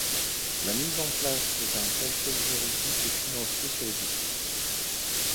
La mise en place d'un contrôle juridique et financier sur les équipes.